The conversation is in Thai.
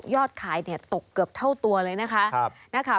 อดขายตกเกือบเท่าตัวเลยนะคะ